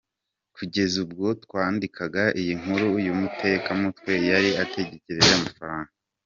Kugeza ubwo twandikaga iyi nkuru uyu mutekamutwe yari agitegereje amafaranga.